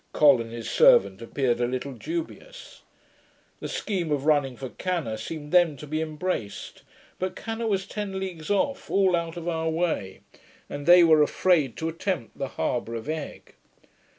Col and his servant appeared a little dubious. The scheme of running for Canna seemed then to be embraced; but Canna was ten leagues off, all out of our way; and they were afraid to attempt the harbour of Egg.